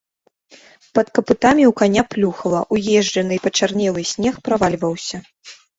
Пад капытамі ў каня плюхала, уезджаны і пачарнелы снег правальваўся.